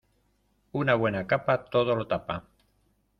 Una buena capa todo lo tapa.